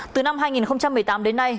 từ năm hai nghìn một mươi tám đến nay